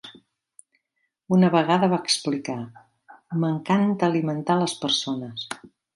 Una vegada va explicar "M'encanta alimentar les persones".